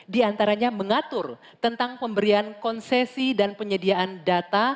diantaranya mengatur tentang pemberian konsesi dan penyediaan data